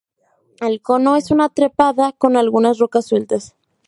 El cono es una trepada con algunas rocas sueltas.